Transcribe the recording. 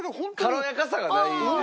軽やかさがないですね。